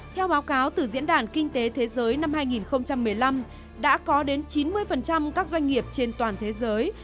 theo báo cáo từ diễn đàn kinh tế thế giới năm hai nghìn một mươi năm đã có đến chín mươi các doanh nghiệp trên toàn thế giới